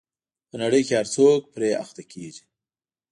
په نړۍ کې هر څوک پرې اخته کېږي.